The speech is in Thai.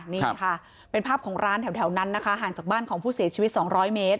นี่ค่ะเป็นภาพของร้านแถวนั้นนะคะห่างจากบ้านของผู้เสียชีวิต๒๐๐เมตร